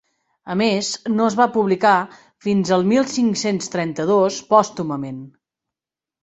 A més, no es va publicar fins al mil cinc-cents trenta-dos, pòstumament.